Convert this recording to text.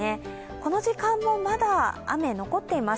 この時間もまた雨、残っています。